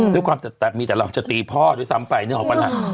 ด้วยความแต่มีแต่เราจะตีพ่อด้วยซ้ำไปนึกออกปะล่ะ